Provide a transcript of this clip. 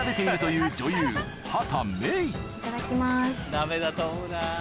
ダメだと思うな。